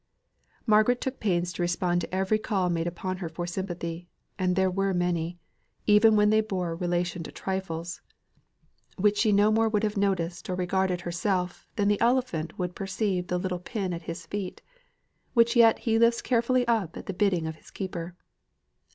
Margaret took pains to respond to every call made upon her for sympathy and they were many even when they bore relation to trifles which she would no more have noticed or regarded herself than the elephant would perceive the little pin at his feet, which yet he lifts carefully up at the bidding of his keeper.